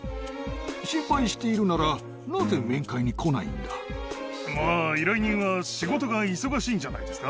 心配しているなら、なぜ面会まあ、依頼人は仕事が忙しいんじゃないですか。